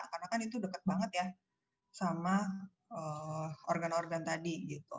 karena kan itu dekat banget ya sama organ organ tadi